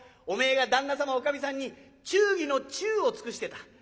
おめえが旦那様おかみさんに忠義の忠を尽くしてた。